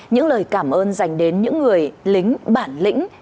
những lời cảm ơn dành đến những người lính